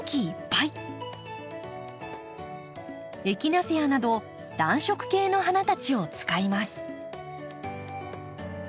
エキナセアなど暖色系の花たちを使います。